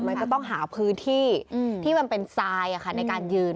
มันก็ต้องหาพื้นที่ที่มันเป็นทรายในการยืน